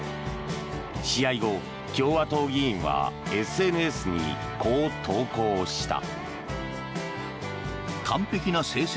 試合後、共和党議員はＳＮＳにこう投稿した。